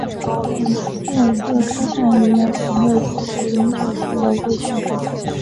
本线自开办以来从未做过永久性的路线改动。